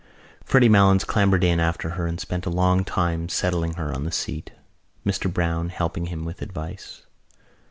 Freddy Malins clambered in after her and spent a long time settling her on the seat, Mr Browne helping him with advice.